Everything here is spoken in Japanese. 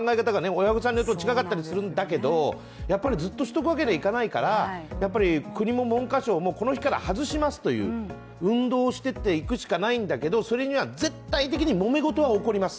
親御さんによっても違うんだけどやっぱりずっとしておくわけにはいかないから国も文科省もこの日から外しますっていう運動をしていくしかないんだろうけどそれには絶対的にもめ事は起こります。